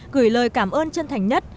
gửi lời cảm ơn chân thành nhất